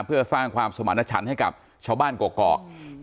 เพื่อสร้างความสมรรถฉันให้กับชาวบ้านกรอก